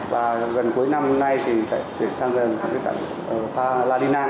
và gần cuối năm nay thì lại chuyển sang pha ladina